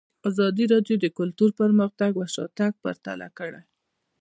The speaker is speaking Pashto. ازادي راډیو د کلتور پرمختګ او شاتګ پرتله کړی.